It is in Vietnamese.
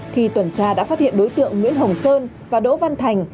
khi tuần tra đã phát hiện đối tượng nguyễn hồng sơn và đỗ văn thành